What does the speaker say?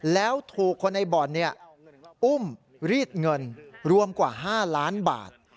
แล้วถูกคนในบ่อนอุ้มรีดเงินรวมกว่า๕ล้านบาท